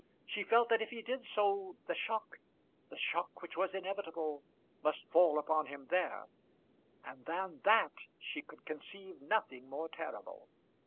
She felt that if he did so the shock, the shock which was inevitable, must fall upon him there; and than that she could conceive nothing more terrible.